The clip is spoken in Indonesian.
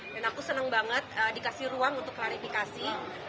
dan aku senang banget dikasih ruang untuk klarifikasi